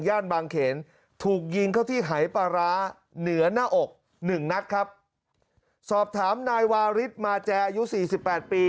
บางเขนถูกยิงเข้าที่หายปลาร้าเหนือหน้าอกหนึ่งนัดครับสอบถามนายวาริสมาแจอายุสี่สิบแปดปี